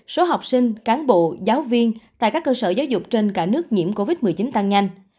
số học sinh cán bộ giáo viên tại các cơ sở giáo dục trên cả nước nhiễm covid một mươi chín tăng nhanh